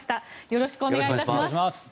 よろしくお願いします。